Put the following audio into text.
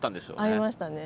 合いましたね。